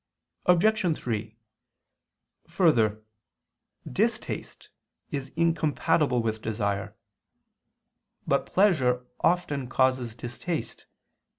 Obj. 3: Further, distaste is incompatible with desire. But pleasure often causes distaste.